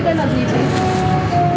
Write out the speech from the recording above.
đây là gì chị